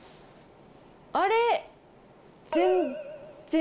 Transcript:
あれ？